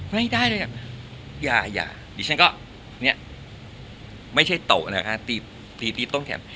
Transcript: ไม่ได้เลยอ่ะอย่าดิฉันก็เนี่ยไม่ใช่โตะนะคะตีตีต้นแขน